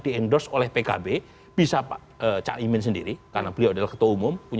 diendorse oleh pkb bisa pak cak imin sendiri karena beliau adalah ketua umum punya satu satunya ketua umum dan